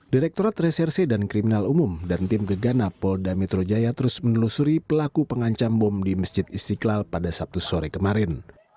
direkturat reserse dan kriminal umum dan tim gegana polda metro jaya terus menelusuri pelaku pengancam bom di masjid istiqlal pada sabtu sore kemarin